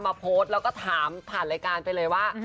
มาโพสต์แล้วก็ถามผ่านรายการไปเลยว่า